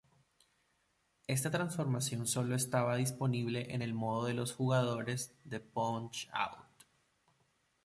Esta transformación solo estaba disponible en el modo de dos jugadores de Punch-Out!!